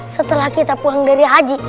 setelah kita pulang dari haji